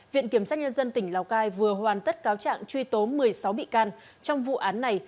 viện kiểm sát nhân dân tỉnh lào cai vừa hoàn tất cáo trạng truy tố một mươi sáu bị can trong vụ án này